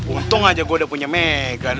untung aja gue udah punya megan